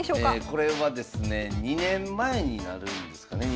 これはですね２年前になるんですかね